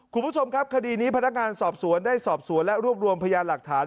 คุณผู้ชมครับคดีนี้พนักงานสอบสวนได้สอบสวนและรวบรวมพยานหลักฐาน